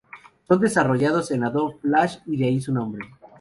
Son desarrollados en Adobe Flash, de ahí su nombre.